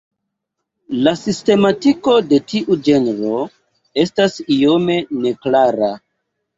La sistematiko de tiu genro estas iome neklara.